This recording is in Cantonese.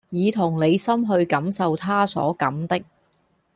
以同理心去感受他所感的